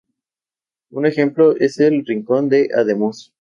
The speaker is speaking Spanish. Un ejemplo es el Rincón de Ademuz.